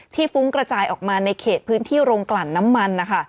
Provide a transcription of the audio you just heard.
ฟุ้งกระจายออกมาในเขตพื้นที่โรงกลั่นน้ำมันนะคะ